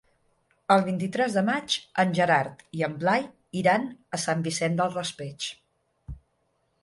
El vint-i-tres de maig en Gerard i en Blai iran a Sant Vicent del Raspeig.